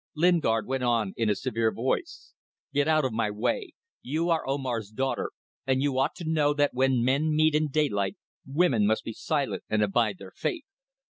Lingard went on in a severe voice "Go out of my path. You are Omar's daughter, and you ought to know that when men meet in daylight women must be silent and abide their fate."